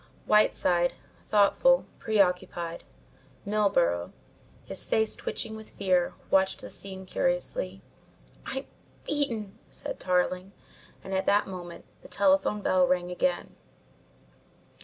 Whiteside, thoughtful, preoccupied; Milburgh, his face twitching with fear, watched the scene curiously. "I'm beaten," said Tarling and at that moment the telephone bell rang again.